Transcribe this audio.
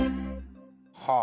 はあ。